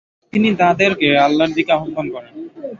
তিনি তাদেরকে আল্লাহর দিকে আহ্বান করেন।